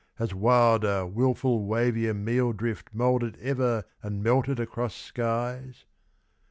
has wilder, wilful wavier Meal drift moulded ever and melted across skies?